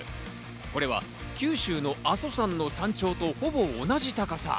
これは九州の阿蘇山の山頂とほぼ同じ高さ。